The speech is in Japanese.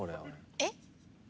えっ？